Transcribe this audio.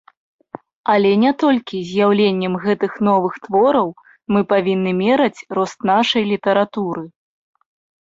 Але не толькі з'яўленнем гэтых новых твораў мы павінны мераць рост нашай літаратуры.